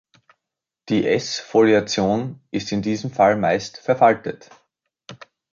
Die S-Foliation ist in diesem Fall meist verfaltet.